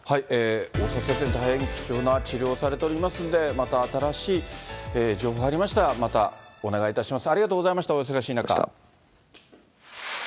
大塚先生、大変、貴重な治療をされておりますんで、また新しい情報が入りましたら、またお願いいたします。